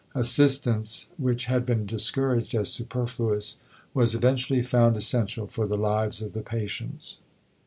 Assistance which had been discouraged as superfluous was eventually found essential for the lives of the patients."